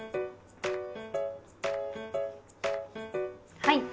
はい。